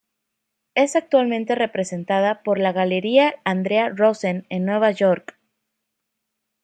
Es actualmente representada por la Galería Andrea Rosen en Nueva York.